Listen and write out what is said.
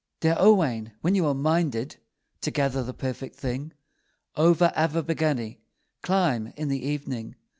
Dear Owain, when you are minded To gather the perfect thing, Over Abergavenny Climb in the evening!